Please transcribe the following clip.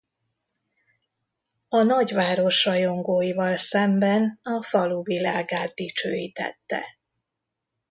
A nagyváros rajongóival szemben a falu világát dicsőítette.